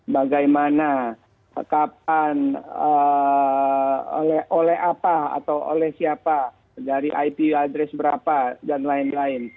bagaimana kapan oleh apa atau oleh siapa dari ipo address berapa dan lain lain